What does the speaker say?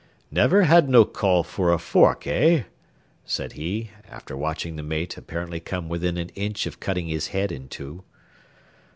"Never had no call for a fork, eh?" said he, after watching the mate apparently come within an inch of cutting his head in two.